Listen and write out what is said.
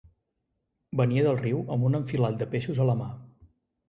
Venia del riu amb un enfilall de peixos a la mà.